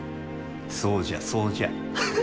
そうじゃそうじゃ。